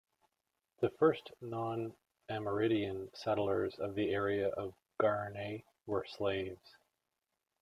The first non-Amerindian settlers of the area of Guarne were slaves.